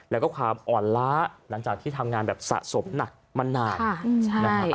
แล้วก็ความอ่อนล้าหลังจากที่ทำงานแบบสะสมหนักมานานนะครับ